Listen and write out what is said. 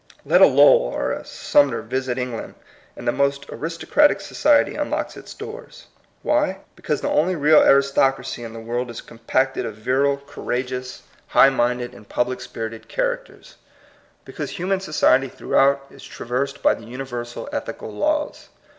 Let a Low ell or a Sumner visit England, and the most aristocratic society unlocks its doors. Why ? Because the only real aristocracy in the world is compacted of virile, courageous. 54 TUB COMING PEOPLEr high minded, and public spirited characters. Because human society throughout is trav ersed by the universal ethical laws.